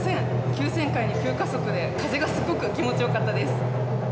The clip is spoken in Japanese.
急旋回に急加速で風がすごく気持ちよかったです。